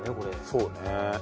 そうね。